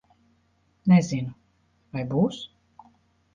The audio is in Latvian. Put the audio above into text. Nezinu. Vai būs?